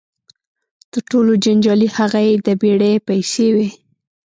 تر ټولو جنجالي هغه یې د بېړۍ پیسې وې.